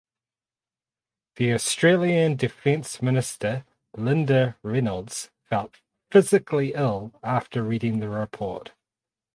The Australian Defence Minister Linda Reynolds felt "physically ill" after reading the report.